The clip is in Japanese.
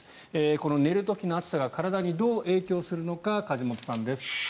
この寝る時の暑さが体にどう影響するのか梶本さんです。